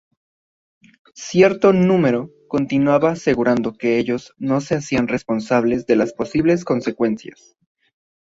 Cierto número continuaba asegurando que ellos no se hacían responsables de las posibles consecuencias.